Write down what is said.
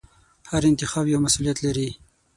هر انتخاب یو مسوولیت لري.